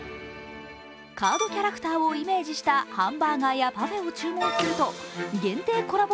カードキャラクターをイメージしたハンバーガーやパフェを注文すると限定コラボ